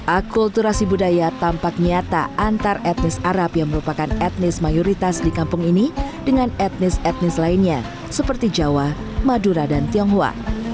akulturasi budaya tampak nyata antar etnis arab yang merupakan etnis mayoritas di kampung ini dengan etnis etnis lainnya seperti jawa madura dan tionghoa